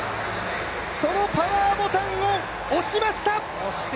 そのパワーボタンを押しました！